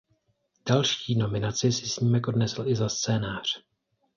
Další nominaci si snímek odnesl i za scénář.